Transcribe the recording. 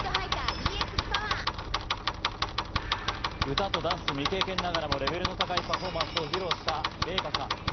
歌とダンス未経験ながらもレベルの高いパフォーマンスを披露したレイコさん。